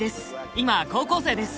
今高校生です。